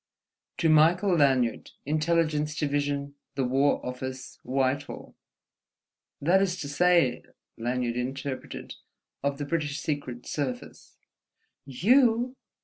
"'To Michael Lanyard, Intelligence Division, the War Office, Whitehall—'" "That is to say," Lanyard interpreted, "of the British Secret Service." "You!"